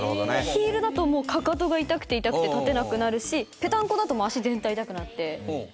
ヒールだともうかかとが痛くて痛くて立てなくなるしペタンコだともう足全体痛くなって。